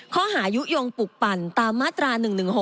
ข้อหายุยงปลุกปั่นตามมาตรา๑๑๖